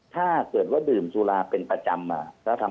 ถ้าเกิดว่าดื่มสุราเป็นประจำมา